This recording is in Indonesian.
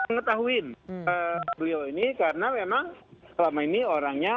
memang selama ini orangnya